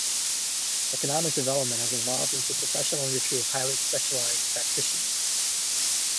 Economic development has evolved into a professional industry of highly specialized practitioners.